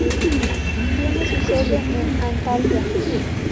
Tiene su sede en Antalya.